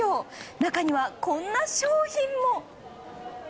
中には、こんな商品も。